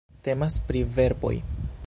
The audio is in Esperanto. Temas pri verboj.